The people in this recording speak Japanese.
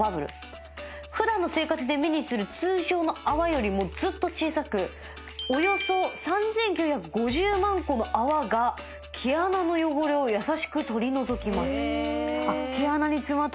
「普段の生活で目にする通常の泡よりもずっと小さくおよそ３９５０万個の泡が毛穴の汚れを優しく取り除きます」